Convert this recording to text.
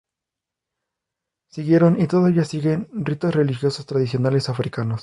Siguieron, y todavía siguen, ritos religiosos tradicionales africanos.